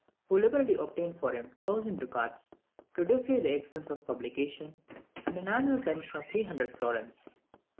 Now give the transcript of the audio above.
who liberally obtained for him 1000 ducats to defray the expense of the publication, and an annual pension of 300 florins.